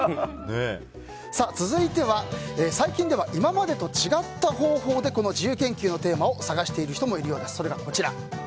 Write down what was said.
続いては最近では今までと違った方法でこの自由研究のテーマを探している人もいるようです。